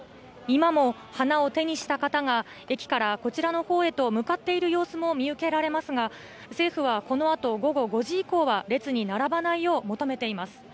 今も花を手にした方が、駅からこちらのほうへと向かっている様子も見受けられますが、政府はこのあと午後５時以降は、列に並ばないよう求めています。